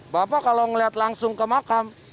bapak kalau melihat langsung ke makam